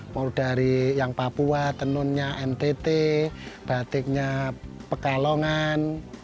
mau dari yang papua tenunnya ntt batiknya pekalongan